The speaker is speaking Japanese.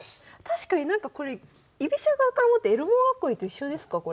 確かになんかこれ居飛車側から持ってエルモ囲いと一緒ですかこれ。